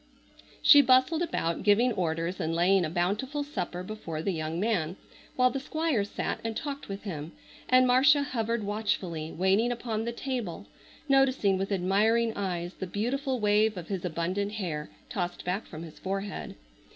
She bustled about, giving orders and laying a bountiful supper before the young man, while the Squire sat and talked with him, and Marcia hovered watchfully, waiting upon the table, noticing with admiring eyes the beautiful wave of his abundant hair, tossed back from his forehead.